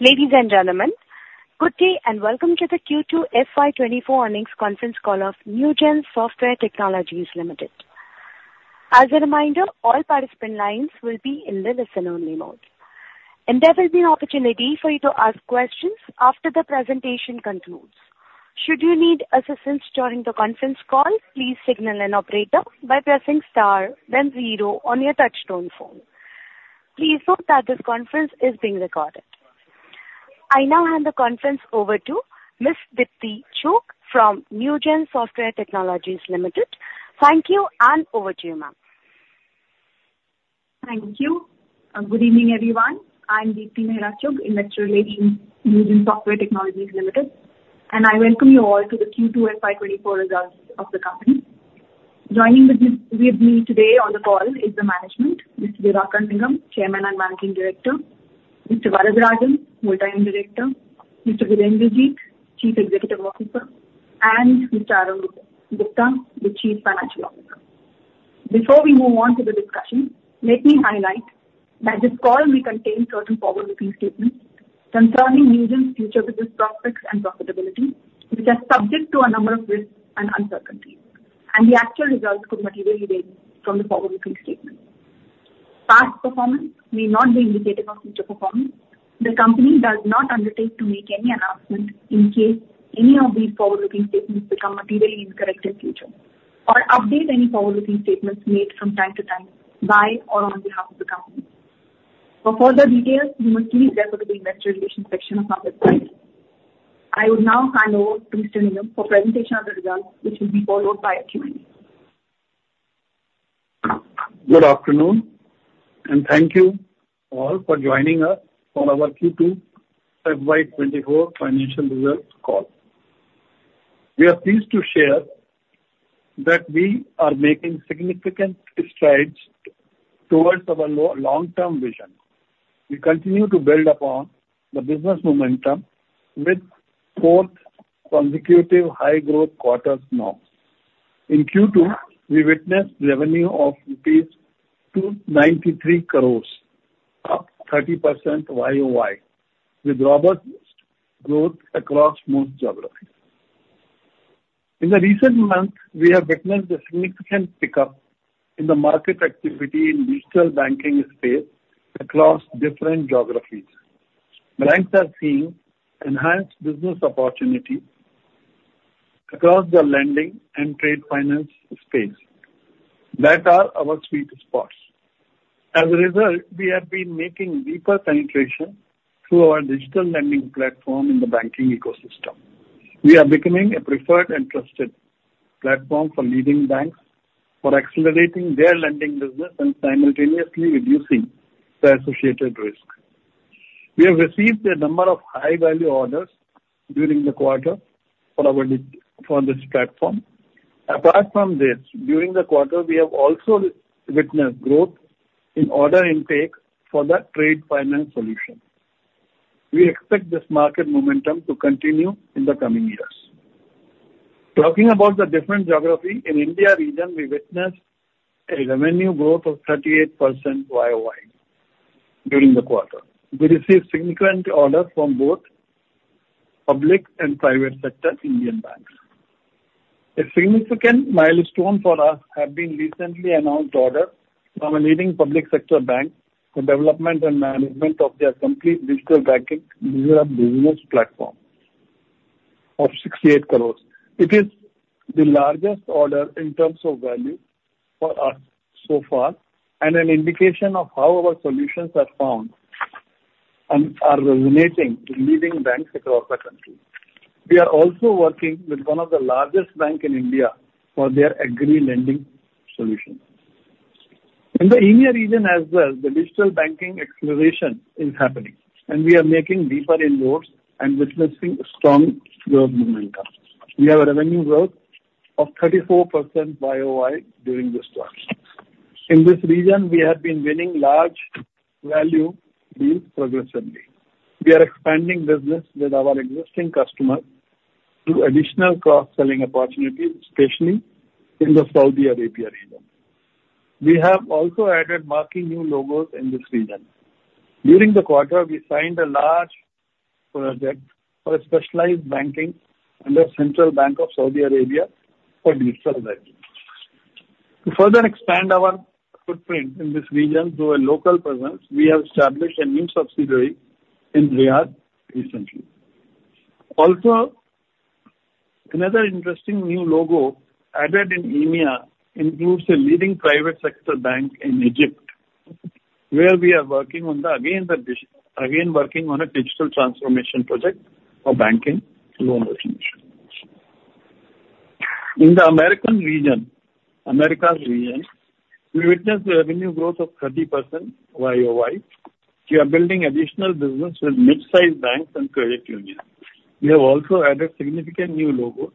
Ladies and gentlemen, good day, and welcome to the Q2 FY 2024 earnings conference call of Newgen Software Technologies Limited. As a reminder, all participant lines will be in the listen-only mode, and there will be an opportunity for you to ask questions after the presentation concludes. Should you need assistance during the conference call, please signal an operator by pressing star then zero on your touchtone phone. Please note that this conference is being recorded. I now hand the conference over to Ms. Deepti Chugh from Newgen Software Technologies Limited. Thank you, and over to you, ma'am. Thank you. Good evening, everyone. I'm Deepti Mehra Chugh, Investor Relations, Newgen Software Technologies Limited, and I welcome you all to the Q2 FY 2024 results of the company. Joining with me today on the call is the management, Mr. Diwakar Nigam, Chairman and Managing Director, Mr. T. S. Varadarajan, Whole Time Director, Mr. Virender Jeet, Chief Executive Officer, and Mr. Arun Gupta, the Chief Financial Officer. Before we move on to the discussion, let me highlight that this call may contain certain forward-looking statements concerning Newgen's future business prospects and profitability, which are subject to a number of risks and uncertainties, and the actual results could materially vary from the forward-looking statement. Past performance may not be indicative of future performance. The company does not undertake to make any announcement in case any of these forward-looking statements become materially incorrect in future or update any forward-looking statements made from time to time by or on behalf of the company. For further details, you must please refer to the Investor Relations section of our website. I would now hand over to Mr. Nigam for presentation of the results, which will be followed by Q&A. Good afternoon, and thank you all for joining us on our Q2 FY 2024 financial results call. We are pleased to share that we are making significant strides towards our long-term vision. We continue to build upon the business momentum with fourth consecutive high-growth quarters now. In Q2, we witnessed revenue of 293 crores rupees, up 30% Y-o-Y, with robust growth across most geographies. In the recent months, we have witnessed a significant pickup in the market activity in digital banking space across different geographies. Banks are seeing enhanced business opportunity across the lending and trade finance space that are our sweet spots. As a result, we have been making deeper penetration through our digital lending platform in the banking ecosystem. We are becoming a preferred and trusted platform for leading banks for accelerating their lending business and simultaneously reducing the associated risk. We have received a number of high-value orders during the quarter for our for this platform. Apart from this, during the quarter, we have also witnessed growth in order intake for the trade finance solution. We expect this market momentum to continue in the coming years. Talking about the different geography, in India region, we witnessed a revenue growth of 38% Y-o-Y during the quarter. We received significant orders from both public and private sector Indian banks. A significant milestone for us have been recently announced order from a leading public sector bank for development and management of their complete digital banking business platform of 68 crore. It is the largest order in terms of value for us so far, and an indication of how our solutions are found and are resonating to leading banks across the country. We are also working with one of the largest bank in India for their agri lending solution. In the EMEA region as well, the digital banking acceleration is happening, and we are making deeper inroads and witnessing strong growth momentum. We have a revenue growth of 34% Y-o-Y during this. In this region, we have been winning large value deals progressively. We are expanding business with our existing customer through additional cross-selling opportunities, especially in the Saudi Arabia region. We have also added marquee new logos in this region. During the quarter, we signed a large project for a specialized bank under Central Bank of Saudi Arabia for digital banking. To further expand our footprint in this region through a local presence, we have established a new subsidiary in Riyadh recently. Also, another interesting new logo added in EMEA includes a leading private sector bank in Egypt, where we are working on a digital transformation project for banking. In the American region, Americas region, we witnessed a revenue growth of 30% Y-o-Y. We are building additional business with mid-sized banks and credit unions. We have also added a significant new logo,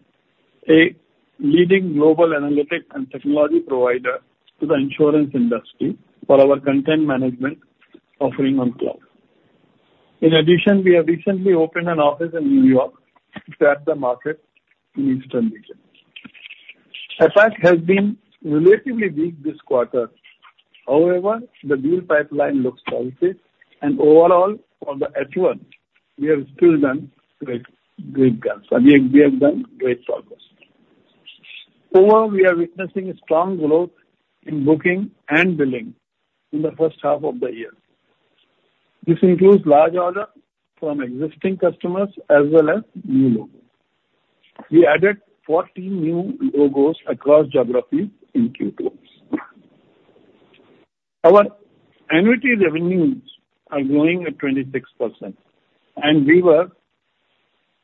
a leading global analytic and technology provider to the insurance industry for our content management offering on cloud. In addition, we have recently opened an office in New York to tap the market in Eastern region. Intake has been relatively weak this quarter. However, the deal pipeline looks healthy, and overall, on the H1, we have still done great guns. I mean, we have done great progress. Overall, we are witnessing a strong growth in booking and billing in the first half of the year. This includes large orders from existing customers as well as new logos. We added 40 new logos across geographies in Q2. Our annuity revenues are growing at 26%, and we were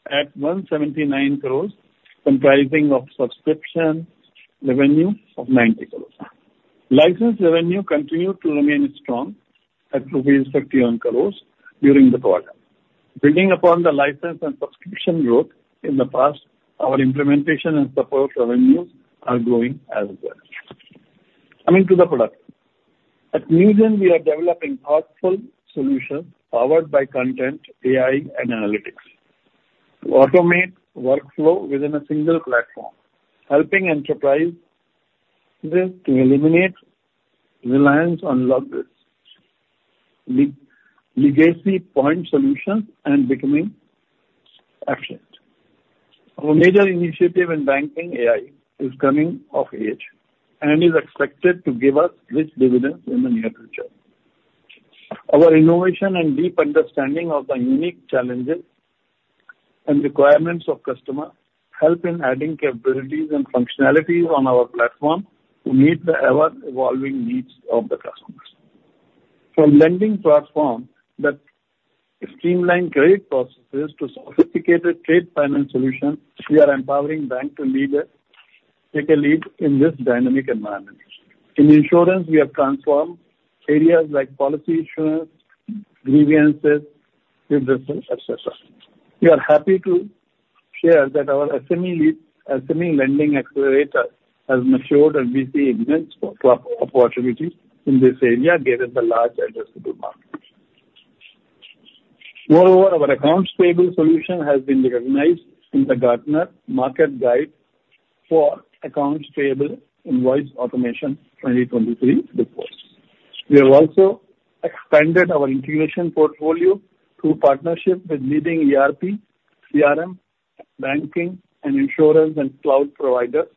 at 179 crores, comprising of subscription revenue of 90 crores. License revenue continued to remain strong at rupees 51 crores during the quarter. Building upon the license and subscription growth in the past, our implementation and support revenues are growing as well. Coming to the product. At Newgen, we are developing thoughtful solutions powered by content, AI, and analytics to automate workflow within a single platform, helping enterprises to eliminate reliance on legacy point solutions and becoming efficient. Our major initiative in banking, AI, is coming of age and is expected to give us rich dividends in the near future. Our innovation and deep understanding of the unique challenges and requirements of customer help in adding capabilities and functionalities on our platform to meet the ever-evolving needs of the customers. From lending platforms that streamline credit processes to sophisticated trade finance solutions, we are empowering banks to lead, take a lead in this dynamic environment. In insurance, we have transformed areas like policy issuance, grievances, etcetera. We are happy to share that our SME lead, SME lending accelerator has matured, and we see immense opportunities in this area, given the large addressable market. Moreover, our accounts payable solution has been recognized in the Gartner Market Guide for Accounts Payable Invoice Automation 2023 report. We have also expanded our integration portfolio through partnerships with leading ERP, CRM, banking, and insurance and cloud providers,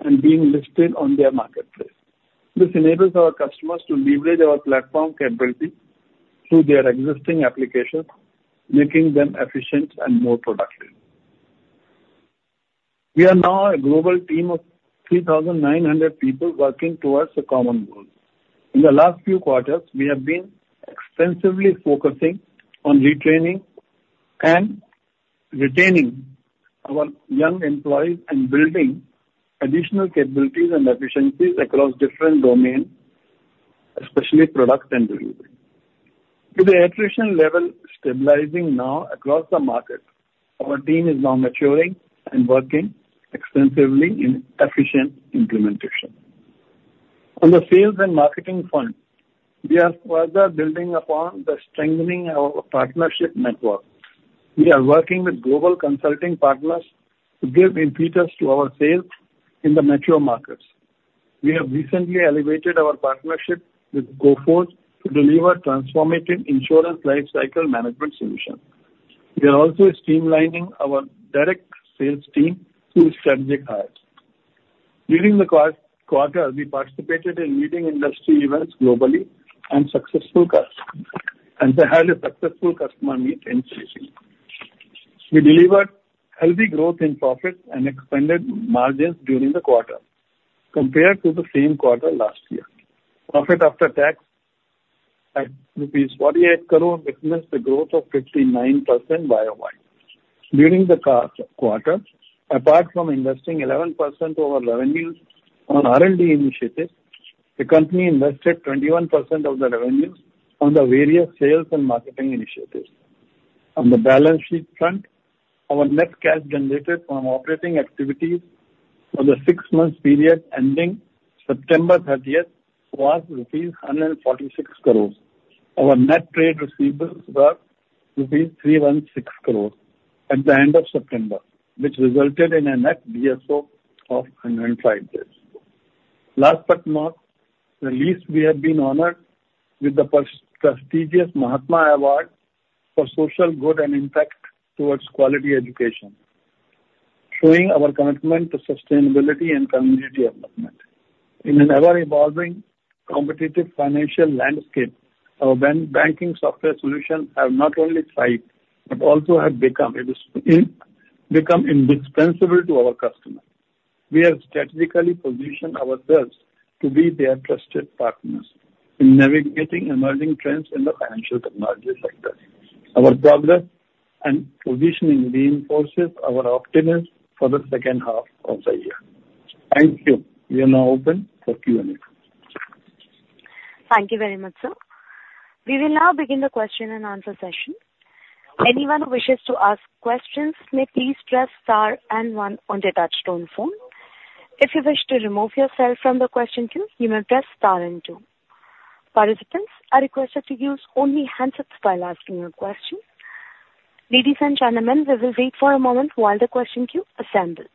and being listed on their marketplace. This enables our customers to leverage our platform capabilities through their existing applications, making them efficient and more productive. We are now a global team of 3,900 people working towards a common goal. In the last few quarters, we have been extensively focusing on retraining and retaining our young employees and building additional capabilities and efficiencies across different domains, especially product and delivery. With the attrition level stabilizing now across the market, our team is now maturing and working extensively in efficient implementation. On the sales and marketing front, we are further building upon the strengthening our partnership network. We are working with global consulting partners to give impetus to our sales in the metro markets. We have recently elevated our partnership with Coforge to deliver transformative insurance lifecycle management solution. We are also streamlining our direct sales team through strategic hires. During the quarter, we participated in leading industry events globally and a highly successful customer meet in GCC. We delivered healthy growth in profits and expanded margins during the quarter compared to the same quarter last year. Profit after tax at INR 48 crore witnessed a growth of 59% Y-o-Y. During the quarter, apart from investing 11% of our revenues on R&D initiatives, the company invested 21% of the revenues on the various sales and marketing initiatives. On the balance sheet front, our net cash generated from operating activities for the six-month period ending September thirtieth, was rupees 146 crores. Our net trade receivables were rupees 316 crores at the end of September, which resulted in a net DSO of 105 days. Last but not the least, we have been honored with the prestigious Mahatma Award for social good and impact towards quality education, showing our commitment to sustainability and community development. In an ever-evolving competitive financial landscape, our banking software solutions have not only thrived but also have become indispensable to our customers. We have strategically positioned ourselves to be their trusted partners in navigating emerging trends in the financial technology sector. Our progress and positioning reinforces our optimism for the second half of the year. Thank you. We are now open for Q&A. Thank you very much, sir. We will now begin the question and answer session. Anyone who wishes to ask questions may please press star and one on their touchtone phone. If you wish to remove yourself from the question queue, you may press star and two. Participants are requested to use only handsets while asking your question.... Ladies and gentlemen, we will wait for a moment while the question queue assembles.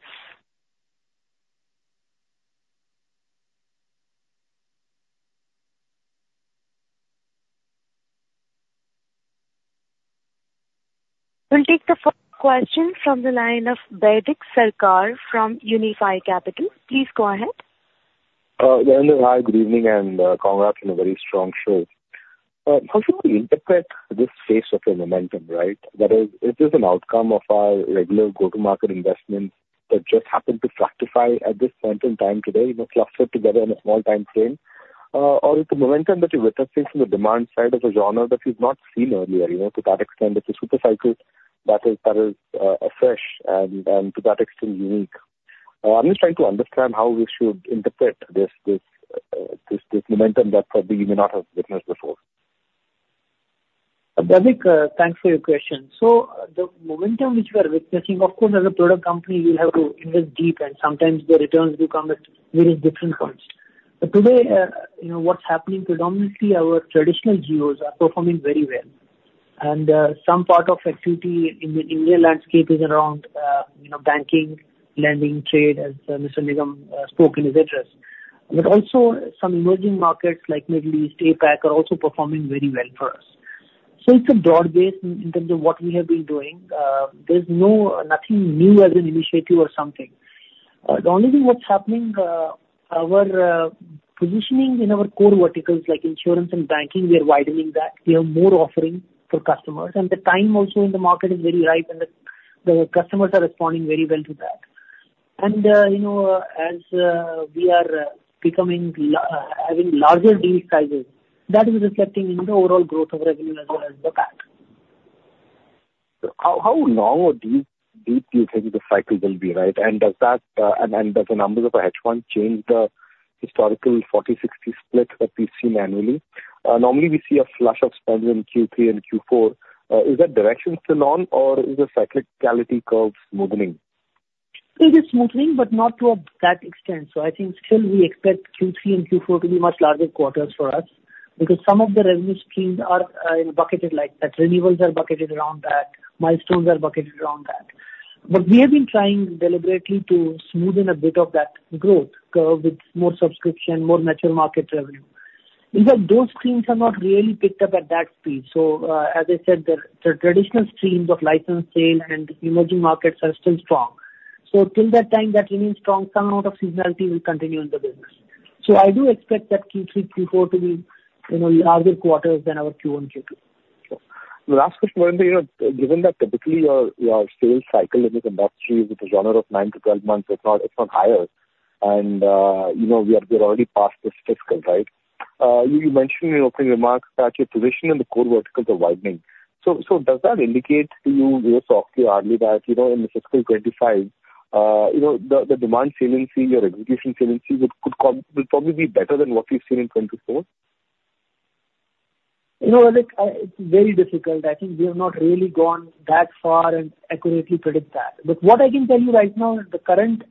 We'll take the first question from the line of Baidik Sarkar from Unifi Capital. Please go ahead. Hi, good evening, and congrats on a very strong show. How do you interpret this phase of your momentum, right? That is, is this an outcome of our regular go-to-market investments that just happened to fructify at this point in time today, you know, clustered together in a small time frame? Or is the momentum that you're witnessing from the demand side is a genre that you've not seen earlier, you know, to that extent, it's a super cycle that is, that is, afresh and, and to that extent, unique. I'm just trying to understand how we should interpret this, this, this, this momentum that probably you may not have witnessed before. Baidik, thanks for your question. So the momentum which we are witnessing, of course, as a product company, we have to invest deep, and sometimes the returns do come at very different points. But today, you know, what's happening predominantly, our traditional geos are performing very well. And some part of activity in the India landscape is around, you know, banking, lending, trade, as Mr. Nigam spoke in his address. But also some emerging markets like Middle East, APAC, are also performing very well for us. So it's a broad base in terms of what we have been doing. There's nothing new as an initiative or something. The only thing what's happening, our positioning in our core verticals like insurance and banking, we are widening that. We have more offerings for customers, and the time also in the market is very right, and the customers are responding very well to that. And, you know, as we are becoming larger, having larger deal sizes, that is reflecting in the overall growth of revenue as well as the PAT. How long or deep do you think the cycle will be, right? And does that and does the numbers of H1 change the historical 40-60 split that we've seen annually? Normally we see a flush of spend in Q3 and Q4. Is that direction still on, or is the cyclicality curve smoothening? It is smoothening, but not to that extent. So I think still we expect Q3 and Q4 to be much larger quarters for us, because some of the revenue streams are, you know, bucketed like that. Renewals are bucketed around that, milestones are bucketed around that. But we have been trying deliberately to smoothen a bit of that growth curve with more subscription, more natural market revenue. In fact, those streams have not really picked up at that speed. So, as I said, the traditional streams of license sale and emerging markets are still strong. So till that time, that remains strong, some amount of seasonality will continue in the business. So I do expect that Q3, Q4 to be, you know, larger quarters than our Q1, Q2. The last question, you know, given that typically your, your sales cycle in this industry is a genre of 9-12 months, if not higher, and, you know, we are, we're already past this fiscal, right? You mentioned in your opening remarks that your position in the core verticals are widening. So does that indicate to you very softly, early that, you know, in the fiscal 2025, you know, the demand resiliency or execution resiliency would, could will probably be better than what we've seen in 2024? You know, Baidik, it's very difficult. I think we have not really gone that far and accurately predict that. But what I can tell you right now is the current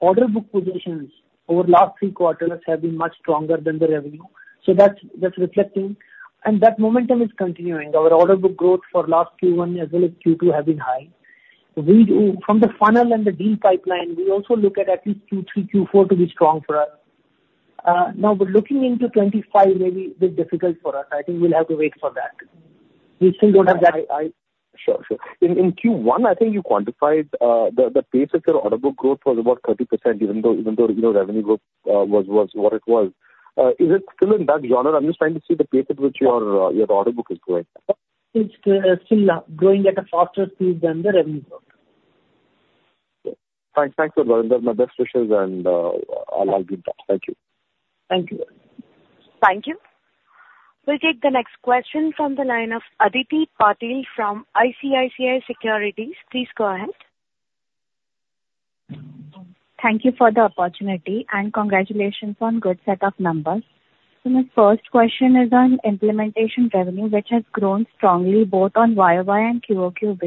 order book positions over last three quarters have been much stronger than the revenue, so that's, that's reflecting, and that momentum is continuing. Our order book growth for last Q1 as well as Q2 have been high. From the funnel and the deal pipeline, we also look at at least Q3, Q4 to be strong for us. Now, but looking into 25 may be a bit difficult for us. I think we'll have to wait for that. We still don't have that- Sure, sure. In Q1, I think you quantified the pace of your order book growth was about 30%, even though, even though, you know, revenue growth was what it was. Is it still in that genre? I'm just trying to see the pace at which your order book is growing. It's still growing at a faster speed than the revenue growth. Thanks. Thanks a lot. My best wishes and all I give back. Thank you. Thank you. Thank you. We'll take the next question from the line of Aditi Patil from ICICI Securities. Please go ahead. Thank you for the opportunity, and congratulations on good set of numbers. So my first question is on implementation revenue, which has grown strongly both on Y-o-Y and Q-o-Q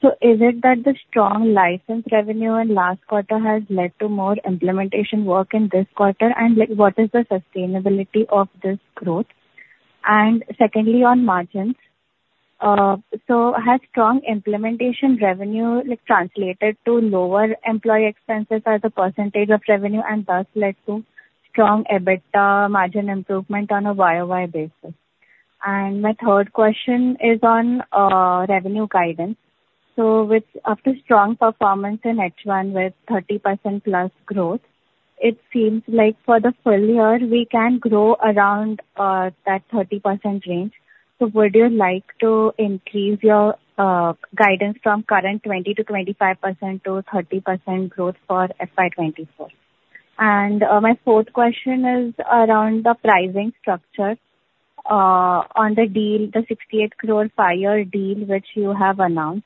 basis. So is it that the strong license revenue in last quarter has led to more implementation work in this quarter? And like, what is the sustainability of this growth? And secondly, on margins. So has strong implementation revenue, like, translated to lower employee expenses as a percentage of revenue and thus led to strong EBITDA margin improvement on a Y-o-Y basis? And my third question is on revenue guidance. So with after strong performance in H1 with 30% plus growth, it seems like for the full-year, we can grow around that 30% range. So would you like to increase your guidance from current 20%-25% to 30% growth for FY 2024? And my fourth question is around the pricing structure on the deal, the 68 crore five-year deal, which you have announced.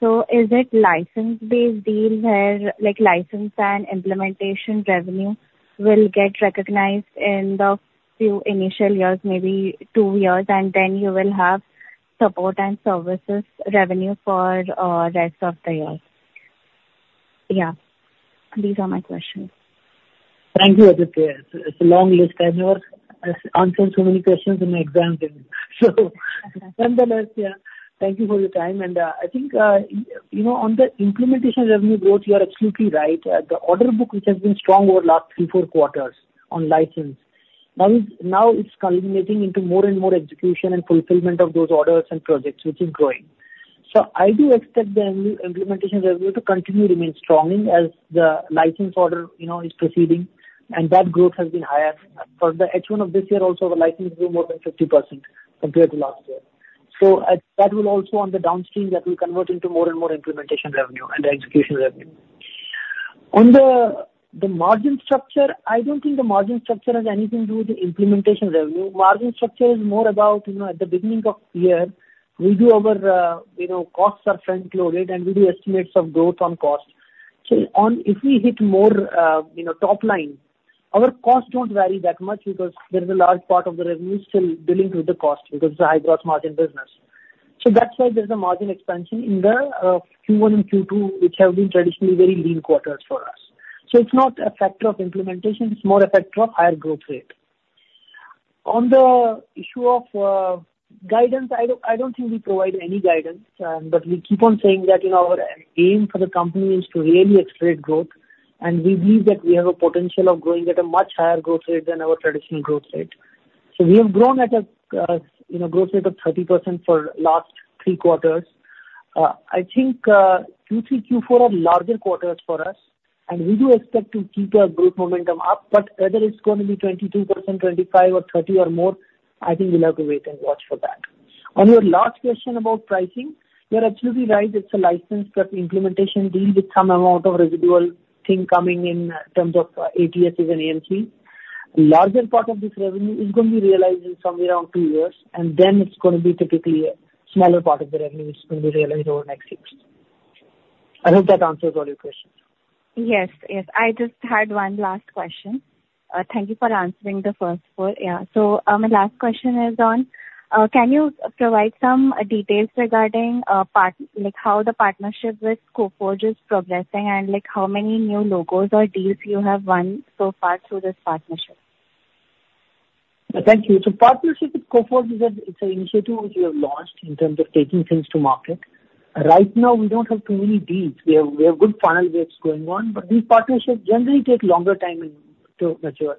So is it license-based deal where, like, license and implementation revenue will get recognized in the few initial years, maybe two years, and then you will have support and services revenue for rest of the years?... Yeah. These are my questions. Thank you, Aditi. It's a long list. I've never answered so many questions in my exam, so nonetheless, yeah, thank you for your time. I think, you know, on the implementation revenue growth, you are absolutely right. The order book, which has been strong over last 3-4 quarters on license, now is culminating into more and more execution and fulfillment of those orders and projects, which is growing. So I do expect the implementation revenue to continue to remain strong as the license order, you know, is proceeding, and that growth has been higher. For the H1 of this year, also, the license grew more than 50% compared to last year. So that will also on the downstream, that will convert into more and more implementation revenue and the execution revenue. On the margin structure, I don't think the margin structure has anything to do with the implementation revenue. Margin structure is more about, you know, at the beginning of year, we do our, you know, costs are front-loaded, and we do estimates of growth on costs. So on - if we hit more, you know, top line, our costs don't vary that much because there's a large part of the revenue still dealing with the cost, because it's a high-growth margin business. So that's why there's a margin expansion in the Q1 and Q2, which have been traditionally very lean quarters for us. So it's not a factor of implementation, it's more a factor of higher growth rate. On the issue of guidance, I don't, I don't think we provide any guidance, but we keep on saying that, you know, our aim for the company is to really accelerate growth, and we believe that we have a potential of growing at a much higher growth rate than our traditional growth rate. So we have grown at a, you know, growth rate of 30% for last three quarters. I think, Q3, Q4 are larger quarters for us, and we do expect to keep our growth momentum up, but whether it's gonna be 22%, 25 or 30 or more, I think we'll have to wait and watch for that. On your last question about pricing, you're absolutely right. It's a license, but the implementation deals with some amount of residual thing coming in, terms of ATSs and AMC. Larger part of this revenue is gonna be realized in somewhere around two years, and then it's gonna be typically a smaller part of the revenue, which is gonna be realized over next years. I hope that answers all your questions. Yes. Yes. I just had one last question. Thank you for answering the first four. Yeah. So, my last question is on, can you provide some details regarding, like, how the partnership with Coforge is progressing, and, like, how many new logos or deals you have won so far through this partnership? Thank you. So partnership with Coforge is, it's an initiative which we have launched in terms of taking things to market. Right now, we don't have too many deals. We have, we have good funnel deals going on, but these partnerships generally take longer time to mature.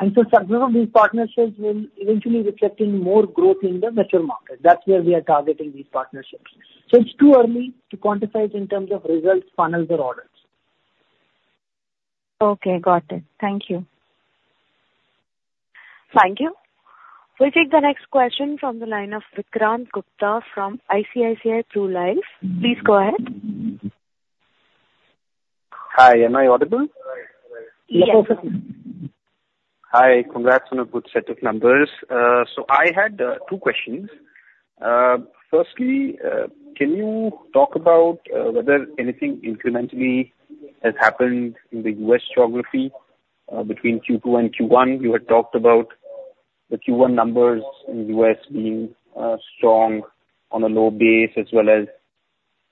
And so some of these partnerships will eventually reflect in more growth in the mature market. That's where we are targeting these partnerships. So it's too early to quantify it in terms of results, funnels or orders. Okay, got it. Thank you. Thank you. We'll take the next question from the line of Vikrant Gupta from ICICI PruLife. Please go ahead. Hi, am I audible? Yes. Hi, congrats on a good set of numbers. So I had two questions. Firstly, can you talk about whether anything incrementally has happened in the U.S. geography between Q2 and Q1? You had talked about the Q1 numbers in the U.S. being strong on a low base, as well as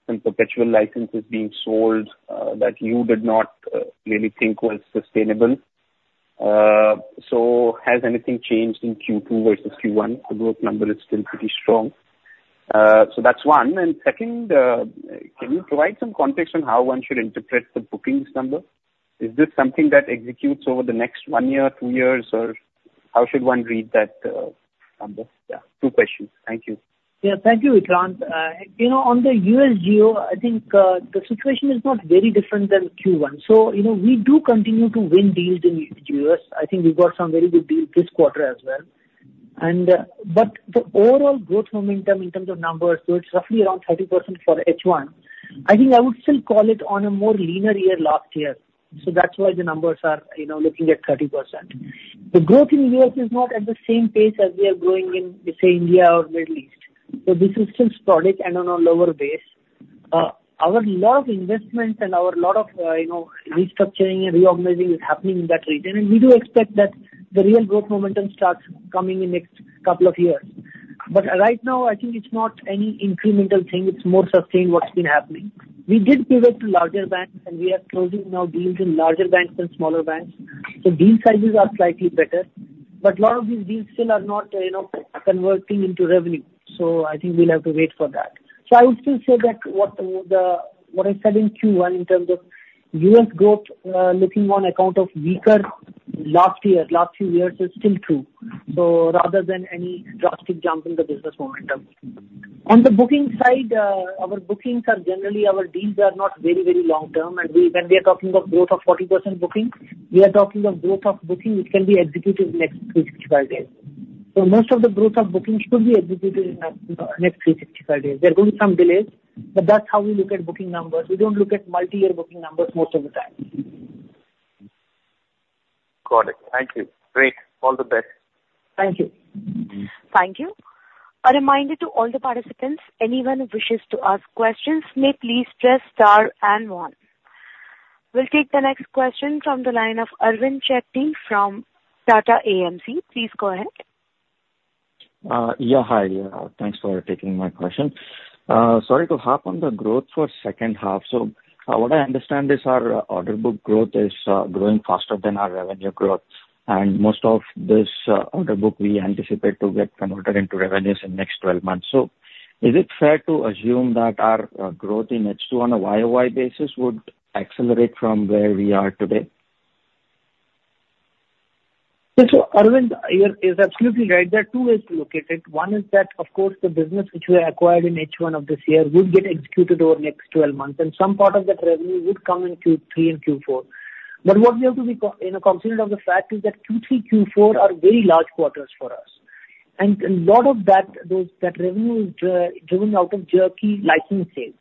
some perpetual licenses being sold that you did not really think were sustainable. So has anything changed in Q2 versus Q1? The growth number is still pretty strong. So that's one. And second, can you provide some context on how one should interpret the bookings number? Is this something that executes over the next one year, two years, or how should one read that number? Yeah, two questions. Thank you. Yeah. Thank you, Vikrant. You know, on the US geo, I think the situation is not very different than Q1. So, you know, we do continue to win deals in the US. I think we've got some very good deals this quarter as well. And, but the overall growth momentum in terms of numbers, so it's roughly around 30% for H1. I think I would still call it on a more leaner year last year, so that's why the numbers are, you know, looking at 30%. The growth in US is not at the same pace as we are growing in, say, India or Middle East, so this is still sporadic and on a lower base. A lot of investment and a lot of, you know, restructuring and reorganizing is happening in that region, and we do expect that the real growth momentum starts coming in next couple of years. But right now, I think it's not any incremental thing, it's more sustained what's been happening. We did pivot to larger banks, and we are closing now deals in larger banks than smaller banks, so deal sizes are slightly better. But a lot of these deals still are not, you know, converting into revenue, so I think we'll have to wait for that. So I would still say that what the, what I said in Q1 in terms of U.S. growth, looking on account of weaker last year, last few years, is still true, so rather than any drastic jump in the business momentum. On the booking side, our bookings are generally, our deals are not very, very long term, and when we are talking of growth of 40% bookings, we are talking of growth of booking, which can be executed in next 365 days. So most of the growth of bookings should be executed in next 365 days. There are going to be some delays, but that's how we look at booking numbers. We don't look at multi-year booking numbers most of the time. Got it. Thank you. Great. All the best. Thank you. Thank you. A reminder to all the participants, anyone who wishes to ask questions may please press star and one. We'll take the next question from the line of Arvind Chetty from Tata AMC. Please go ahead. ... Yeah, hi. Thanks for taking my question. So to hop on the growth for second half, so, what I understand is our order book growth is growing faster than our revenue growth, and most of this order book we anticipate to get converted into revenues in next 12 months. So is it fair to assume that our growth in H2 on a Y-o-Y basis would accelerate from where we are today? Yes, so Arvind, you are absolutely right. There are two ways to look at it. One is that, of course, the business which we acquired in H1 of this year will get executed over the next 12 months, and some part of that revenue would come in Q3 and Q4. But what we have to be, you know, considerate of the fact is that Q3, Q4 are very large quarters for us. And a lot of that revenue is driven out of lumpy license sales.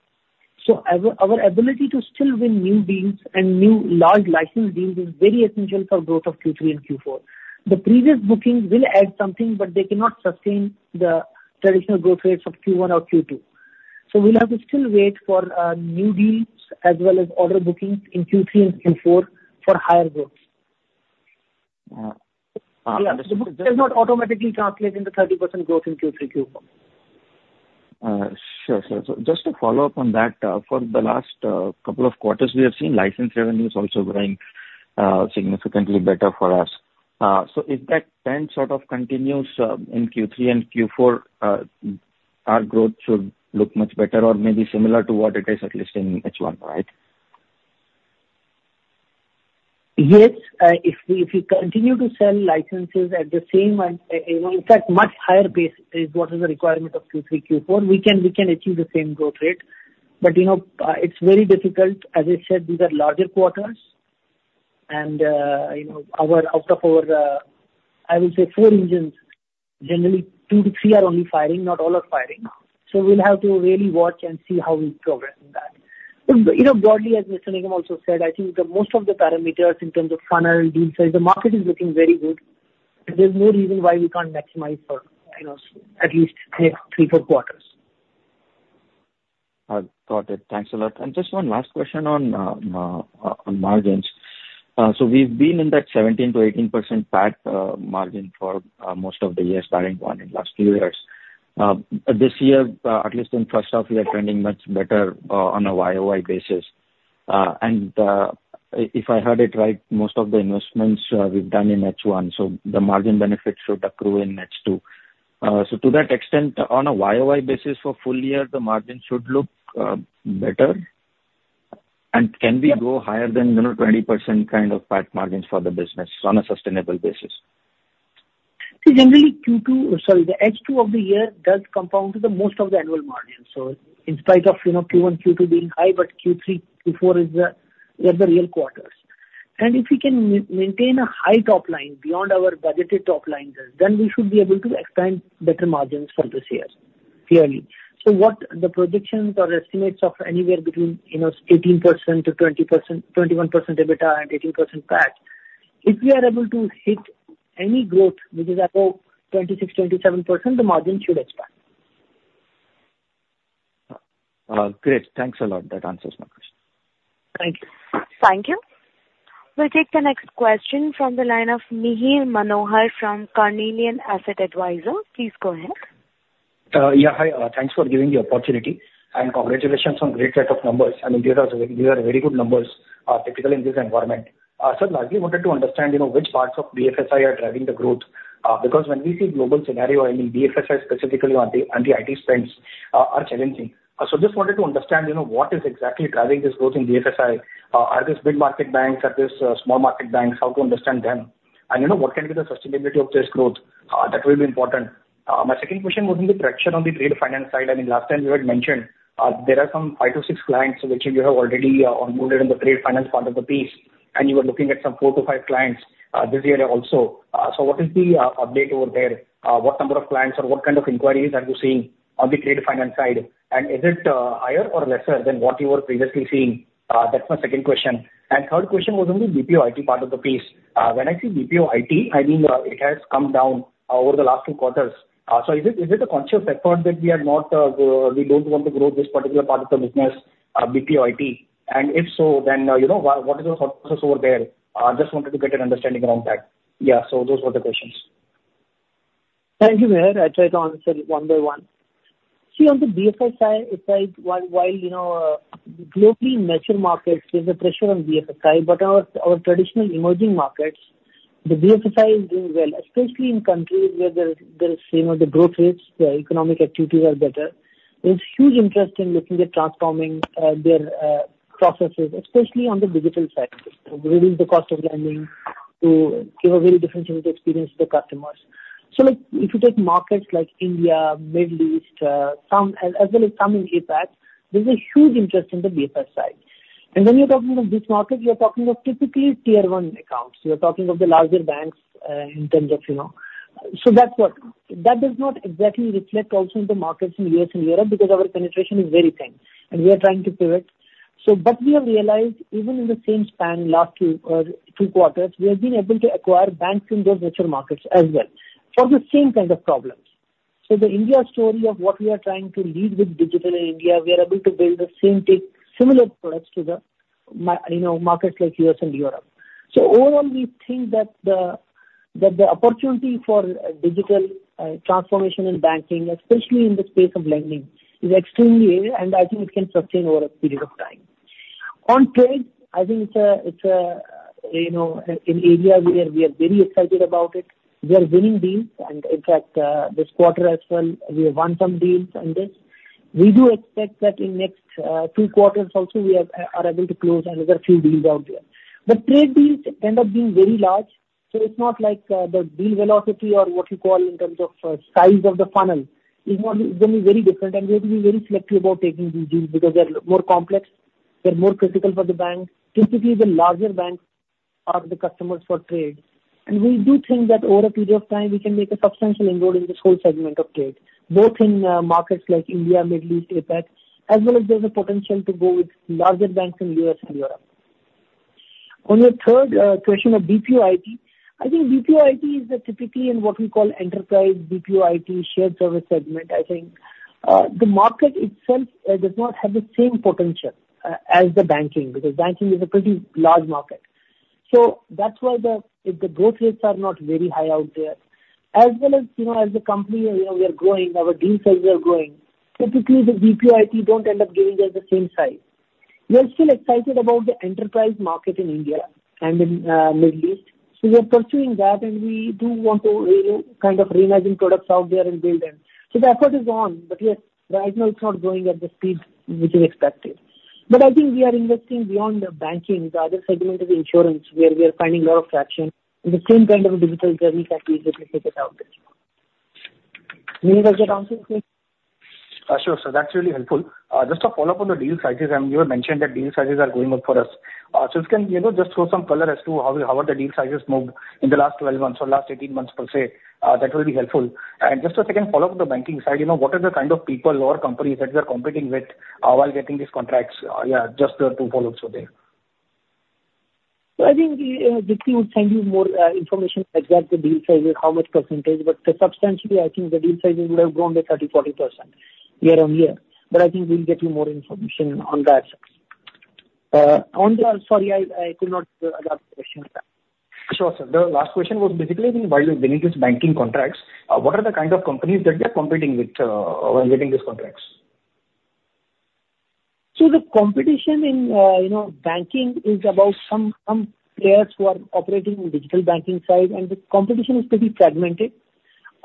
So our ability to still win new deals and new large license deals is very essential for growth of Q3 and Q4. The previous bookings will add something, but they cannot sustain the traditional growth rates of Q1 or Q2. So we'll have to still wait for new deals as well as order bookings in Q3 and Q4 for higher growth. Understood. Does not automatically translate into 30% growth in Q3, Q4. Sure, sure. So just to follow up on that, for the last couple of quarters, we have seen license revenues also growing significantly better for us. So if that trend sort of continues in Q3 and Q4, our growth should look much better or maybe similar to what it is, at least in H1, right? Yes. If we, if we continue to sell licenses at the same and, you know, in fact, much higher base is what is the requirement of Q3, Q4, we can, we can achieve the same growth rate. But, you know, it's very difficult. As I said, these are larger quarters, and, you know, our out of our, I will say four engines, generally two to three are only firing, not all are firing. So we'll have to really watch and see how we progress in that. But, you know, broadly, as Mr. Nigam also said, I think the most of the parameters in terms of funnel deal size, the market is looking very good. There's no reason why we can't maximize for, you know, at least next 3-4 quarters. Got it. Thanks a lot. And just one last question on margins. So we've been in that 17%-18% PAT margin for most of the years, starting point in last few years. This year, at least in first half, we are trending much better on a Y-o-Y basis. And if I heard it right, most of the investments we've done in H1, so the margin benefits should accrue in H2. So to that extent, on a Y-o-Y basis for full-year, the margin should look better? And can we go higher than, you know, 20% kind of PAT margins for the business on a sustainable basis? See, generally, Q2, sorry, the H2 of the year does compound to the most of the annual margin. So in spite of, you know, Q1, Q2 being high, but Q3, Q4 is the, they are the real quarters. And if we can maintain a high top line beyond our budgeted top line, then, then we should be able to expand better margins for this year, clearly. So what the projections or estimates of anywhere between, you know, 18% to 20%-21% EBITDA and 18% PAT, if we are able to hit any growth which is above 26%-27%, the margin should expand. Great. Thanks a lot. That answers my question. Thank you. Thank you. We'll take the next question from the line of Mihir Manohar from Carnelian Asset Advisors. Please go ahead. Yeah, hi. Thanks for giving the opportunity and congratulations on great set of numbers. I mean, these are, these are very good numbers, particularly in this environment. So largely wanted to understand, you know, which parts of BFSI are driving the growth. Because when we see global scenario, I mean, BFSI specifically on the IT spends, are challenging. So just wanted to understand, you know, what is exactly driving this growth in BFSI? Are these big market banks, are these small market banks? How to understand them. And, you know, what can be the sustainability of this growth? That will be important. My second question was on the traction on the trade finance side. I mean, last time you had mentioned, there are some five to six clients which you have already, onboarded on the trade finance part of the piece, and you are looking at some four to five clients, this year also. So what is the update over there? What number of clients or what kind of inquiries are you seeing on the trade finance side? And is it higher or lesser than what you were previously seeing? That's my second question. And third question was on the BPO IT part of the piece. When I see BPO IT, I mean, it has come down over the last two quarters. So is it a conscious effort that we are not, we don't want to grow this particular part of the business, BPO IT? If so, then, you know, what, what is the focus over there? Just wanted to get an understanding around that. Yeah, so those were the questions. Thank you, Mihir. I'll try to answer it one by one. See, on the BFSI side, while you know, globally in mature markets, there's a pressure on BFSI, but our traditional emerging markets, the BFSI is doing well, especially in countries where there is you know, the growth rates, the economic activities are better. There's huge interest in looking at transforming their processes, especially on the digital side, to reduce the cost of lending, to give a very different type of experience to the customers. So, like, if you take markets like India, Middle East, as well as some in APAC, there's a huge interest in the BFSI. And when you're talking of this market, you're talking of typically Tier One accounts. You're talking of the larger banks in terms of you know... So that's what. That does not exactly reflect also in the markets in U.S. and Europe, because our penetration is very thin, and we are trying to pivot. So but we have realized, even in the same span, last two, two quarters, we have been able to acquire banks in those mature markets as well for the same kind of problems. So the India story of what we are trying to lead with digital India, we are able to build the same tech, similar products to the mar- you know, markets like U.S. and Europe. So overall, we think that the, that the opportunity for, digital, transformation in banking, especially in the space of lending, is extremely area, and I think it can sustain over a period of time. On trade, I think it's a, it's a, you know, an, an area where we are very excited about it. We are winning deals, and in fact, this quarter as well, we have won some deals on this. We do expect that in next two quarters also, we are able to close another few deals out there. But trade deals end up being very large, so it's not like the deal velocity or what you call in terms of size of the funnel is going to be very different, and we have to be very selective about taking these deals because they're more complex, they're more critical for the bank. Typically, the larger banks are the customers for trade. We do think that over a period of time, we can make a substantial inroad in this whole segment of trade, both in markets like India, Middle East, APAC, as well as there's a potential to go with larger banks in U.S. and Europe. On your third question of BPO IT, I think BPO IT is typically in what we call enterprise BPO IT shared service segment. I think the market itself does not have the same potential as the banking, because banking is a pretty large market. So that's why the growth rates are not very high out there. As well as, you know, as a company, you know, we are growing, our deal sizes are growing. Typically, the BPO IT don't end up giving us the same size. We are still excited about the enterprise market in India and in Middle East, so we are pursuing that, and we do want to, you know, kind of reimagine products out there and build them. So the effort is on, but yes, right now it's not growing at the speed which we expected. But I think we are investing beyond the banking. The other segment is insurance, where we are finding a lot of traction and the same kind of a digital journey that we out there. Do those answer me? Sure, sir. That's really helpful. Just a follow-up on the deal sizes, and you had mentioned that deal sizes are going up for us. So you can, you know, just throw some color as to how are the deal sizes moved in the last 12 months or last 18 months per se, that will be helpful. And just a second follow-up on the banking side. You know, what are the kind of people or companies that we are competing with while getting these contracts? Yeah, just two follow-ups were there. So I think we, Deepti will send you more information, i.e., the deal sizes, how much percentage, but substantially, I think the deal sizing would have grown by 30%-40% year-on-year. But I think we'll get you more information on that. On the... Sorry, I could not hear the other question, sir. Sure, sir. The last question was basically, while you're winning these banking contracts, what are the kind of companies that they are competing with, while getting these contracts? So the competition in, you know, banking is about some, some players who are operating in digital banking side, and the competition is pretty fragmented.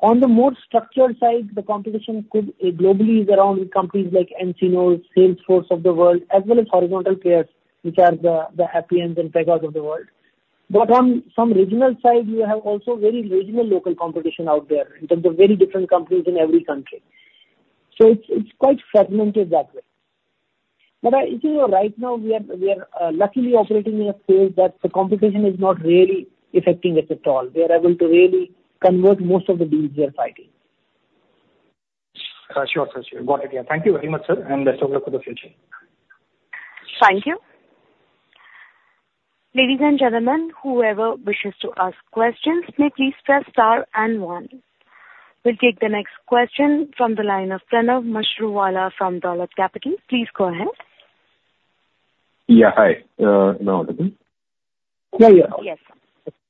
On the more structured side, the competition could globally is around companies like nCino, Salesforce of the world, as well as horizontal players, which are the, the Appian and Pega of the world. But on some regional side, you have also very regional local competition out there. In terms of very different companies in every country. So it's, it's quite fragmented that way. But I, you know, right now we are, we are luckily operating in a space that the competition is not really affecting us at all. We are able to really convert most of the deals we are fighting. Sure, sure. Got it. Yeah. Thank you very much, sir, and best of luck for the future. Thank you. Ladies and gentlemen, whoever wishes to ask questions, may please press Star and One. We'll take the next question from the line of Pranav Mashruwala from Dolat Capital. Please go ahead. Yeah. Hi, now? Yeah, yeah. Yes.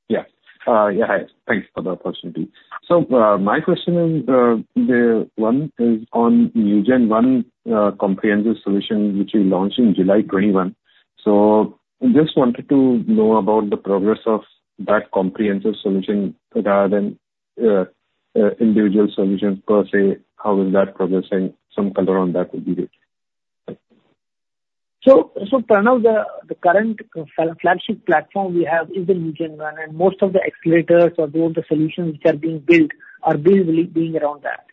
Yeah. Yeah, hi. Thanks for the opportunity. So, my question is, the one is on NewgenONE, comprehensive solution which you launched in July 2021. So just wanted to know about the progress of that comprehensive solution rather than individual solutions per se. How is that progressing? Some color on that would be great. So, Pranav, the current flagship platform we have is the NewgenONE, and most of the accelerators or the solutions which are being built are really being around that.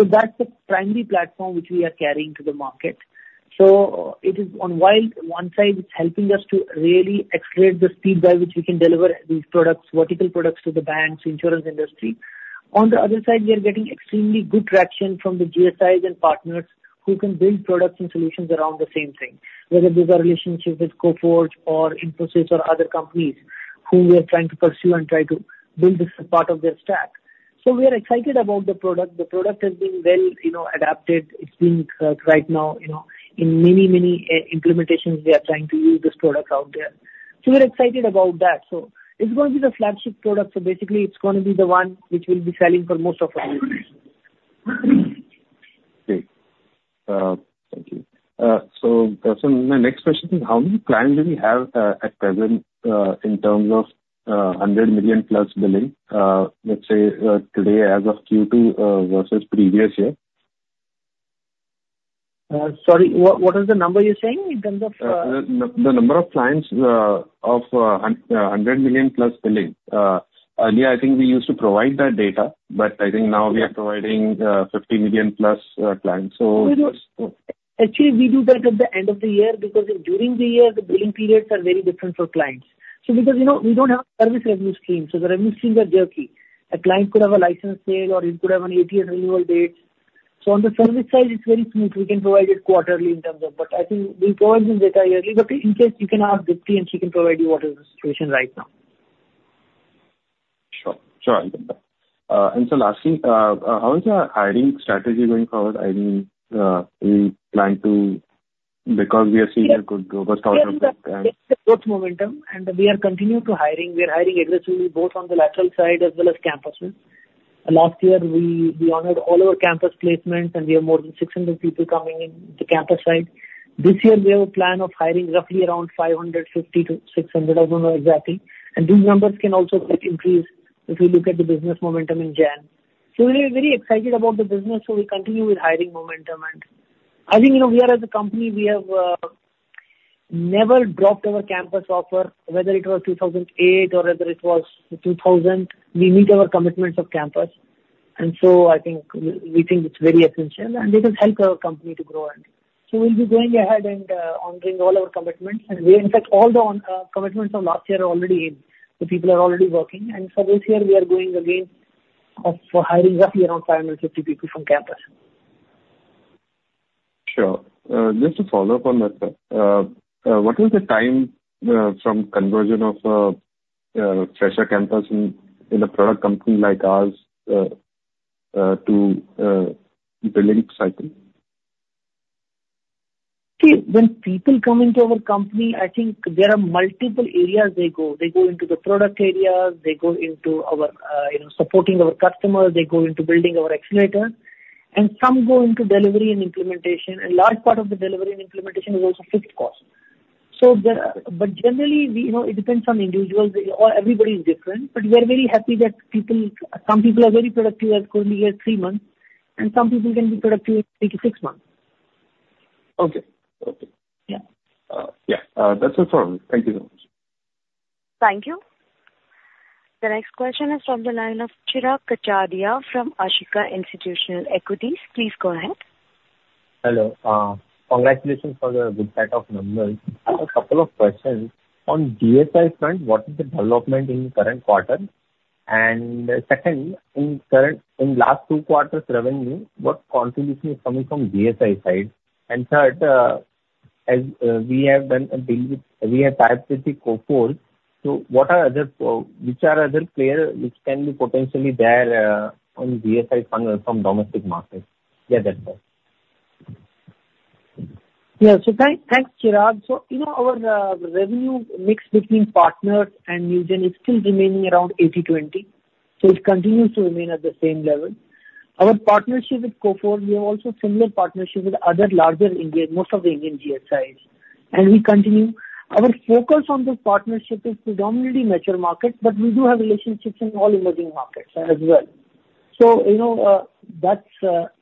So that's the primary platform which we are carrying to the market. So it is on while one side, it's helping us to really accelerate the speed by which we can deliver these products, vertical products, to the banks, insurance industry. On the other side, we are getting extremely good traction from the GSIs and partners who can build products and solutions around the same thing. Whether these are relationships with Coforge or Infosys or other companies who we are trying to pursue and try to build this as part of their stack. So we are excited about the product. The product has been well, you know, adapted. It's being right now, you know, in many, many implementations, we are trying to use this product out there. So we're excited about that. So it's going to be the flagship product, so basically it's going to be the one which we'll be selling for most of our business. Great. Thank you. My next question is: How many clients do we have at present in terms of 100 million-plus billing, let's say, today as of Q2 versus previous year? Sorry, what, what is the number you're saying in terms of? The number of clients of 100 million-plus billing. Earlier, I think we used to provide that data, but I think now we are providing 50 million-plus clients. So Actually, we do that at the end of the year, because if during the year, the billing periods are very different for clients. So because, you know, we don't have service revenue stream, so the revenue streams are jerky. A client could have a license sale, or he could have an ATS renewal date. So on the service side, it's very smooth. We can provide it quarterly in terms of... But I think we provide them data yearly. But in case you can ask Deepti, and she can provide you what is the situation right now. ... Sure, sure, I'll get that. And so lastly, how is our hiring strategy going forward? I mean, we plan to, because we are seeing a good growth momentum. Growth momentum, and we are continuing to hiring. We are hiring aggressively, both on the lateral side as well as campuses. Last year, we honored all our campus placements, and we have more than 600 people coming in the campus side. This year, we have a plan of hiring roughly around 550-600, I don't know exactly, and these numbers can also get increased if we look at the business momentum in Jan. So we are very excited about the business, so we continue with hiring momentum. And I think, you know, we are as a company, we have never dropped our campus offer, whether it was 2008 or whether it was 2000. We meet our commitments of campus, and so I think we think it's very essential, and it has helped our company to grow. We'll be going ahead and honoring all our commitments. We in fact, all the ongoing commitments from last year are already in. The people are already working, and for this year we are going ahead with hiring roughly around 550 people from campus. Sure. Just to follow up on that, what is the time from conversion of fresher campus in a product company like ours to delivery cycle? See, when people come into our company, I think there are multiple areas they go. They go into the product areas, they go into our, you know, supporting our customers, they go into building our accelerator, and some go into delivery and implementation. A large part of the delivery and implementation is also fixed cost. So there are. But generally, we, you know, it depends on individuals. Everybody is different, but we are very happy that people... Some people are very productive and could be here three months, and some people can be productive, take six months. Okay. Okay. Yeah. Yeah. That's it for me. Thank you very much. Thank you. The next question is from the line of Chirag Kachhadiya from Ashika Stock Broking Please go ahead. Hello. Congratulations on the good set of numbers. I have a couple of questions. On GSI front, what is the development in the current quarter? And second, in current, in last two quarters revenue, what contribution is coming from GSI side? And third, as, we have done a deal with, we have tied with the Coforge, so what are other, which are other players which can be potentially there, on GSI front from domestic market? Yeah, that's all. Yeah. So thank, thanks, Chirag. So, you know, our revenue mix between partners and Newgen is still remaining around 80/20, so it continues to remain at the same level. Our partnership with Coforge, we have also similar partnerships with other larger Indian, most of the Indian GSIs, and we continue. Our focus on this partnership is predominantly mature market, but we do have relationships in all emerging markets as well. So, you know, that's,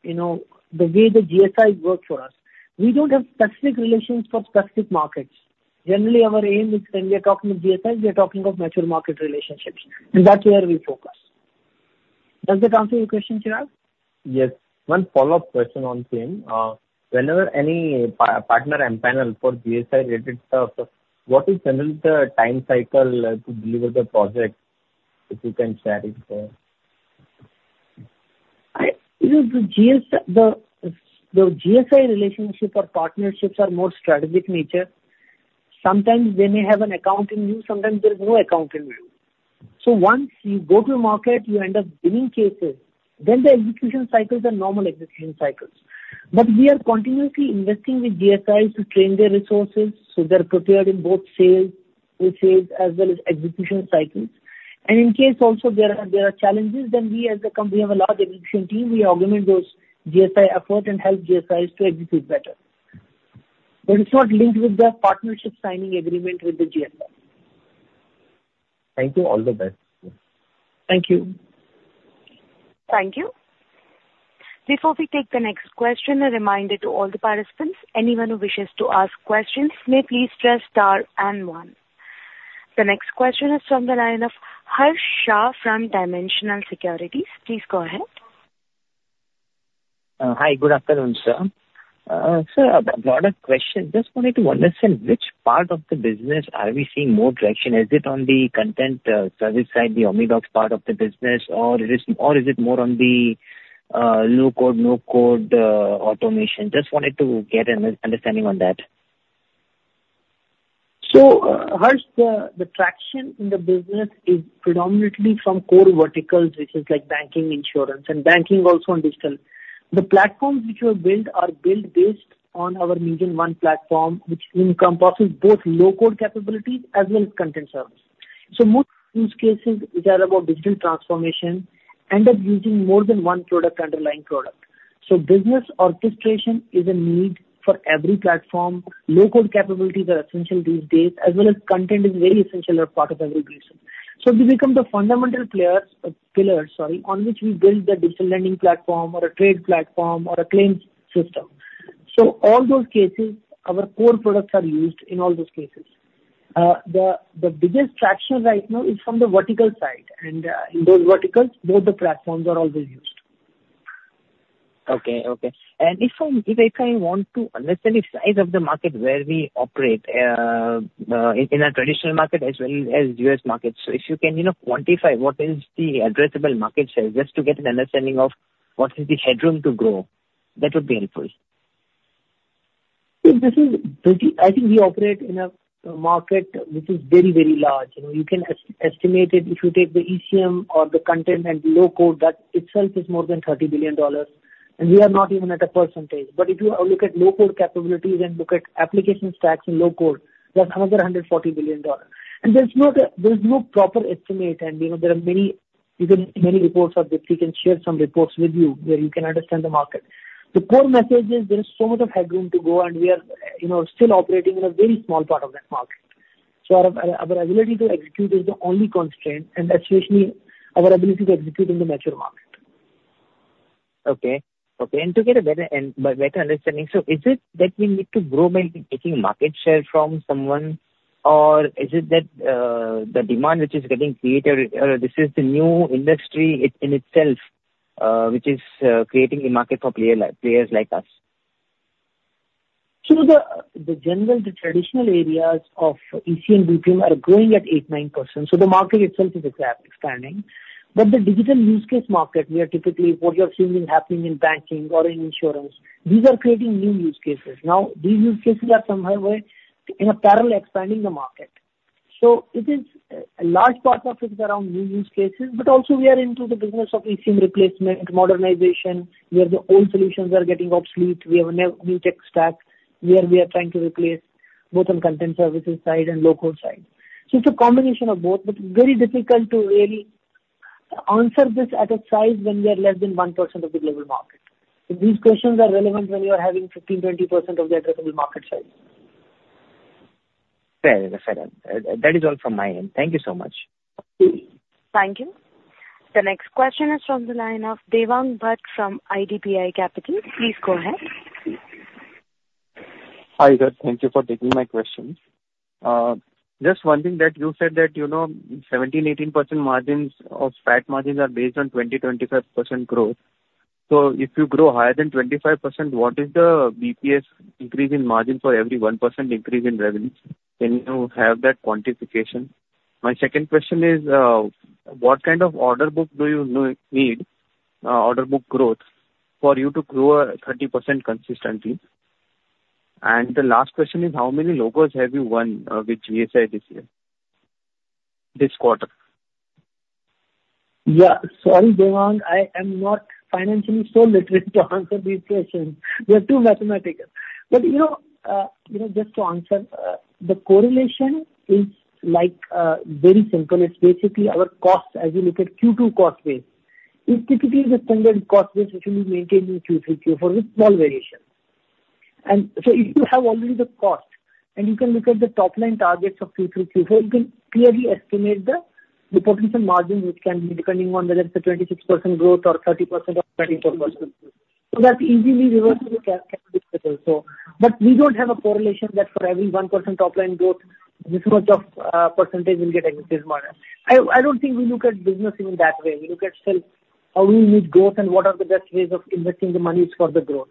you know, the way the GSIs work for us. We don't have specific relations for specific markets. Generally, our aim is when we are talking of GSIs, we are talking of mature market relationships, and that's where we focus. Does that answer your question, Chirag? Yes. One follow-up question on same. Whenever any partner empanel for GSI-related stuff, what is generally the time cycle to deliver the project, if you can share it? I, you know, the GSI relationship or partnerships are more strategic nature. Sometimes they may have an account with you, sometimes there is no account with you. So once you go to market, you end up winning cases, then the execution cycles are normal execution cycles. But we are continuously investing with GSIs to train their resources, so they're prepared in both sales, with sales as well as execution cycles. And in case also there are challenges, then we as a company, we have a large execution team, we augment those GSI effort and help GSIs to execute better. But it's not linked with the partnership signing agreement with the GSI. Thank you. All the best. Thank you. Thank you. Before we take the next question, a reminder to all the participants, anyone who wishes to ask questions, may please press star and one. The next question is from the line of Harsh Shah from Dimensional Securities. Please go ahead. Hi. Good afternoon, sir. Sir, a lot of questions. Just wanted to understand which part of the business are we seeing more traction? Is it on the content, service side, the OmniDocs part of the business, or it is, or is it more on the, low code, no code, automation? Just wanted to get an understanding on that. So, Harsh, the traction in the business is predominantly from core verticals, which is like banking, insurance, and banking also on digital. The platforms which were built are built based on our NewgenONE platform, which encompasses both low-code capabilities as well as content service. So most use cases that are about digital transformation end up using more than one product, underlying product. So business orchestration is a need for every platform. Low-code capabilities are essential these days, as well as content is very essential as part of every business. So we become the fundamental players, pillars, sorry, on which we build the digital lending platform or a trade platform or a claims system. So all those cases, our core products are used in all those cases. The biggest traction right now is from the vertical side, and in those verticals, both the platforms are always used. Okay, okay. If I want to understand the size of the market where we operate in a traditional market as well as U.S. market. If you can, you know, quantify what is the addressable market share, just to get an understanding of what is the headroom to grow, that would be helpful.... Yes, this is pretty, I think we operate in a market which is very, very large. And you can estimate it if you take the ECM or the content and low code, that itself is more than $30 billion, and we are not even at a percentage. But if you look at low-code capabilities and look at application stacks in low code, that's another $140 billion. And there's no proper estimate, and, you know, there are many, even many reports of this. We can share some reports with you, where you can understand the market. The core message is there is so much of headroom to go, and we are, you know, still operating in a very small part of that market. So our ability to execute is the only constraint, and especially our ability to execute in the mature market. Okay. Okay, and to get a better understanding, so is it that we need to grow by taking market share from someone? Or is it that the demand which is getting created, or this is the new industry in itself, which is creating a market for players like us? So the general traditional areas of ECM BPM are growing at 8-9%, so the market itself is expanding. But the digital use case market, we are typically what you are seeing happening in banking or in insurance. These are creating new use cases. Now, these use cases are somehow way, in a parallel, expanding the market. So it is, a large part of it is around new use cases, but also we are into the business of ECM replacement, modernization, where the old solutions are getting obsolete. We have a new tech stack, where we are trying to replace both on content services side and low-code side. So it's a combination of both, but very difficult to really answer this at a size when we are less than 1% of the global market. These questions are relevant when you are having 15%-20% of the addressable market size. Fair, fair. That is all from my end. Thank you so much. Okay. Thank you. The next question is from the line of Devang Bhatt from IDBI Capital. Please go ahead. Hi there. Thank you for taking my questions. Just one thing that you said that, you know, 17%-18% margins or fat margins are based on 20%-25% growth. So if you grow higher than 25%, what is the BPS increase in margin for every 1% increase in revenue? Can you have that quantification? My second question is, what kind of order book do you need, order book growth, for you to grow 30% consistently? And the last question is: how many logos have you won, with GSI this year, this quarter? Yeah. Sorry, Devang, I am not financially so literate to answer these questions. They're too mathematical. But, you know, you know, just to answer, the correlation is like, very simple. It's basically our cost as we look at Q2 cost base. It's typically the standard cost base, which will be maintained in Q3, Q4, with small variations. And so if you have already the cost, and you can look at the top line targets of Q3, Q4, you can clearly estimate the, the potential margin, which can be depending on whether it's a 26% growth or 30% or 24%. So that's easily reversible, so. But we don't have a correlation that for every 1% top line growth, this much of, percentage will get increased margin. I, I don't think we look at business even that way. We look at sales, how we need growth, and what are the best ways of investing the monies for the growth.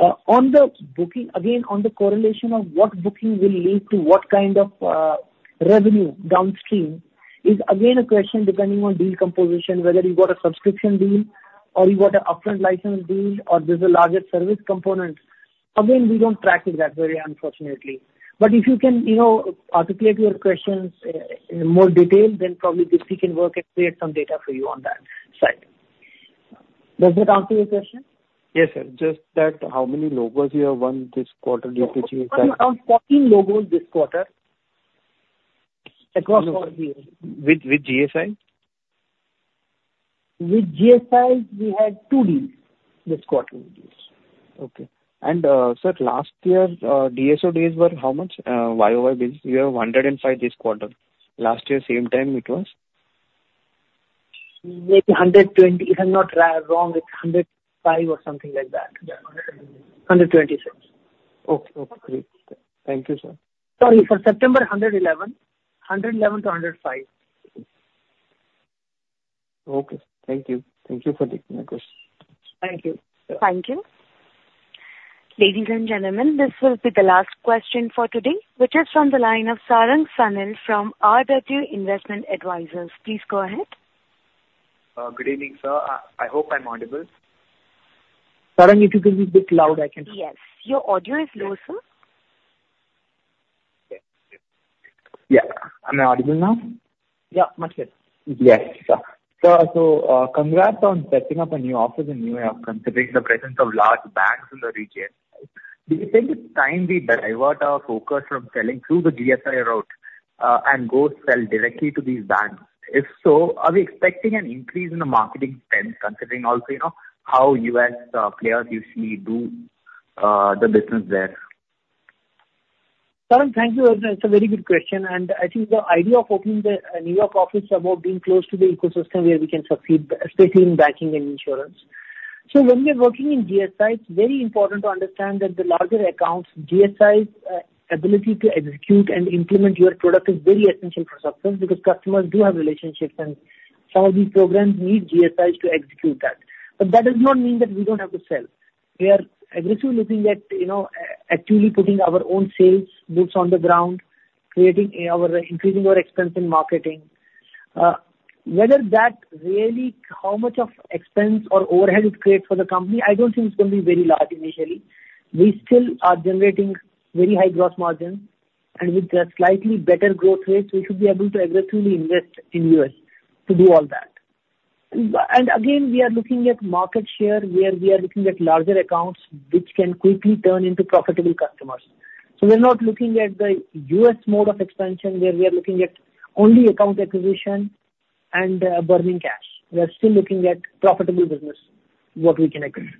On the booking, again, on the correlation of what booking will lead to what kind of revenue downstream, is again, a question depending on deal composition, whether you got a subscription deal or you got an upfront license deal, or there's a larger service component. Again, we don't track it that way, unfortunately. But if you can, you know, articulate your questions in more detail, then probably Deepti can work and create some data for you on that side. Does that answer your question? Yes, sir. Just that how many logos you have won this quarter due to GSI? Around 14 logos this quarter. Across all years. With GSI? With GSI, we had two deals this quarter. Okay. And, sir, last year, DSO days were how much, year-over-year? We have 105 this quarter. Last year, same time, it was? Maybe 120, if I'm not wrong, it's 105 or something like that. Yeah, 126. Okay. Okay, great. Thank you, sir. Sorry, for September, 111. 111-105. Okay. Thank you. Thank you for taking my questions. Thank you. Thank you. Ladies and gentlemen, this will be the last question for today, which is from the line of Sarang Sanil from Arnott Investment Advisors. Please go ahead. Good evening, sir. I hope I'm audible. Sarang, if you can be a bit loud, I can- Yes. Your audio is low, sir. Yeah. Yeah. Am I audible now? Yeah, much better. Yes, sir. So, congrats on setting up a new office in New York, considering the presence of large banks in the region. Do you think it's time we divert our focus from selling through the GSI route, and go sell directly to these banks? If so, are we expecting an increase in the marketing spend, considering also, you know, how U.S. players usually do the business there? Sarang, thank you. It's a very good question, and I think the idea of opening a New York office is about being close to the ecosystem where we can succeed, especially in banking and insurance. So when we are working in GSI, it's very important to understand that the larger accounts, GSI's ability to execute and implement your product is very essential for success, because customers do have relationships, and some of these programs need GSIs to execute that. But that does not mean that we don't have to sell. We are aggressively looking at, you know, actively putting our own sales boots on the ground, creating our... increasing our expense in marketing. Whether that really, how much of expense or overhead it creates for the company, I don't think it's going to be very large initially. We still are generating very high gross margin, and with the slightly better growth rates, we should be able to aggressively invest in U.S. to do all that. And again, we are looking at market share, where we are looking at larger accounts which can quickly turn into profitable customers. So we're not looking at the U.S. mode of expansion, where we are looking at only account acquisition and burning cash. We are still looking at profitable business, what we can acquire.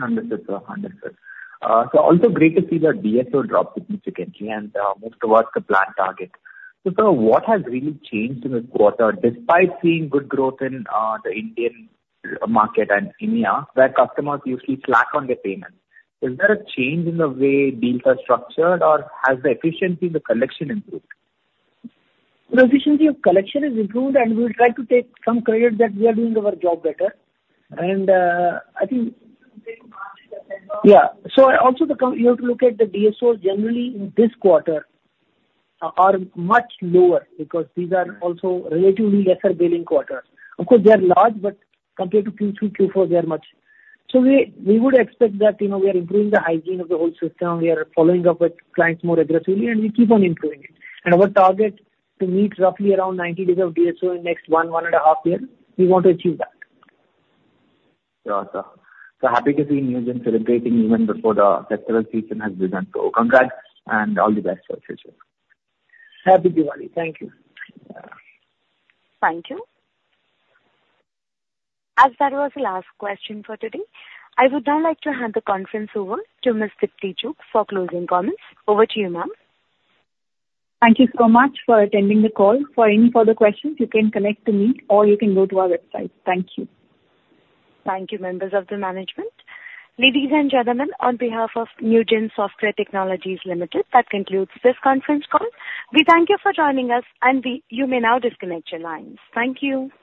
Understood, sir. Understood. So also great to see that DSO dropped significantly and moved towards the planned target. So sir, what has really changed in this quarter, despite seeing good growth in the Indian market and EMEA, where customers usually slack on the payments? Is there a change in the way deals are structured or has the efficiency in the collection improved? The efficiency of collection has improved, and we will try to take some credit that we are doing our job better. Yeah. So also you have to look at the DSOs generally in this quarter; they are much lower because these are also relatively lesser billing quarters. Of course, they are large, but compared to Q3, Q4, they are much lower. So we would expect that, you know, we are improving the hygiene of the whole system, we are following up with clients more aggressively, and we keep on improving it. And our target to meet roughly around 90 days of DSO in the next one and a half year, we want to achieve that. Sure, sir. So happy to see Newgen celebrating even before the festival season has begun. So congrats and all the best for the future. Happy Diwali! Thank you. Thank you. As that was the last question for today, I would now like to hand the conference over to Ms. Deepti Chugh for closing comments. Over to you, ma'am. Thank you so much for attending the call. For any further questions, you can connect to me or you can go to our website. Thank you. Thank you, members of the management. Ladies and gentlemen, on behalf of Newgen Software Technologies Limited, that concludes this conference call. We thank you for joining us, you may now disconnect your lines. Thank you.